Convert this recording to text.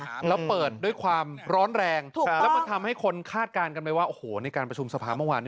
เสนอชื่อแล้วเปิดด้วยความร้อนแรงแล้วทำให้คนคาดการณ์ไม่ว่าโอโหในการประชุมสภาพเมื่อวาน